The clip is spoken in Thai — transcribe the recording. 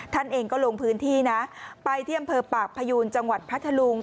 ท่านเองก็ลงพื้นที่นะไปที่อำเภอปากพยูนจังหวัดพัทธลุง